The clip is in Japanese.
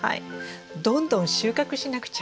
どんどん収穫しなくちゃ。